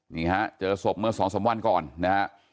นี่ฮะเจอศพเมื่อ๒๓วันก่อนนะฮะ